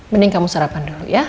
mending kamu sarapan dulu ya